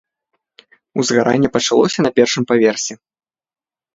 Узгаранне пачалося на першым паверсе.